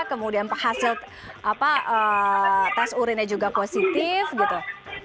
kemudian hasil tes urinnya juga positif gitu